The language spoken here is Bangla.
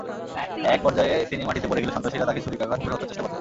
একপর্যায়ে তিনি মাটিতে পড়ে গেলে সন্ত্রাসীরা তাঁকে ছুরিকাঘাত করে হত্যার চেষ্টা করে।